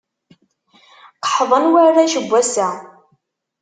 Qeḥḍen warrac n wass-a.